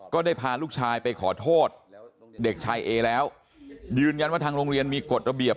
ได้พาลูกชายไปขอโทษเด็กชายเอแล้วยืนยันว่าทางโรงเรียนมีกฎระเบียบ